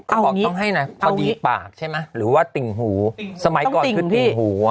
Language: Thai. เขาบอกต้องให้นะพอดีปากใช่ไหมหรือว่าติ่งหูสมัยก่อนคือติ่งหูอ่ะ